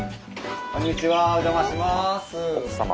こんにちはお邪魔します。